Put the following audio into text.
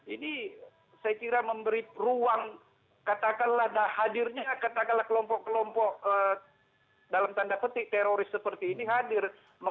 ini saya kira memberi ruang katakanlah hadirnya katakanlah kelompok kelompok dalam tanda petik teroris seperti ini hadir